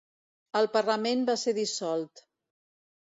El parlament va ser dissolt.